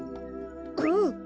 うん！